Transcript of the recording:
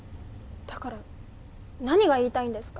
だから何が言いたいんですか？